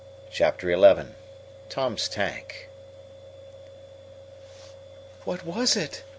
Chapter XI Tom's Tank "What was it?"